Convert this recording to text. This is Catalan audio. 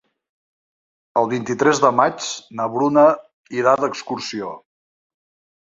El vint-i-tres de maig na Bruna irà d'excursió.